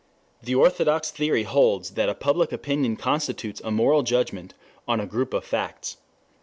The orthodox theory holds that a public opinion constitutes a moral judgment on a group of facts.